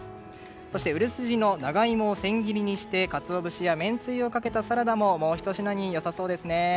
そして売れ筋の長イモを千切りにしてカツオ節やめんつゆをかけたもうひと品に良さそうです。